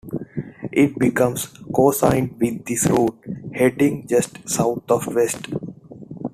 It becomes co-signed with this route, heading just south of west.